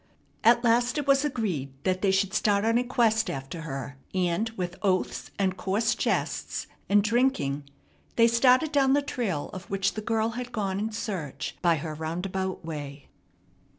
At last it was agreed that they should start on a quest after her, and with oaths, and coarse jests, and drinking, they started down the trail of which the girl had gone in search by her roundabout way.